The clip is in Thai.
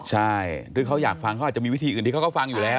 ใช่คือเขาอยากฟังเขาอาจจะมีวิธีอื่นที่เขาก็ฟังอยู่แล้ว